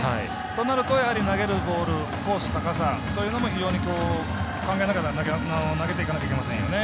となると、やはり投げるボールコース、高さそういうのも非常に考えながら投げていかないといけませんよね。